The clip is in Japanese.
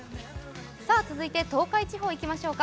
続いて東海地方行きましょうか。